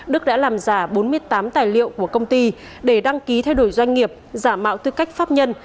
đức đã làm giả bốn mươi tám tài liệu của công ty để đăng ký thay đổi doanh nghiệp giả mạo tư cách pháp nhân